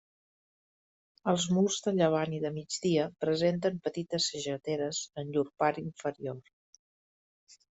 Els murs de llevant i de migdia presenten petites sageteres en llur part inferior.